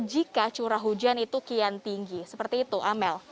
jika curah hujan itu kian tinggi seperti itu amel